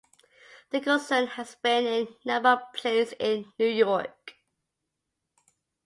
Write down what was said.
Nicholson has been in a number of plays in New York.